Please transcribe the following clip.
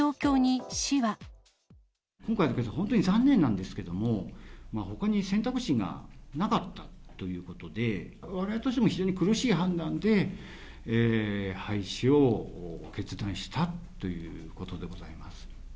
今回のケースは、本当に残念なんですけれども、ほかに選択肢がなかったということで、われわれとしても非常に苦しい判断で、廃止を決断したということでございます。